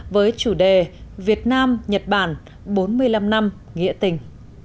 với chủ đề việt nam nhật bản bốn mươi năm năm nghĩa tình